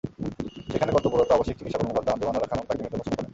সেখানে কর্তব্যরত আবাসিক চিকিৎসা কর্মকর্তা আনজুমান আরা খানম তাঁকে মৃত ঘোষণা করেন।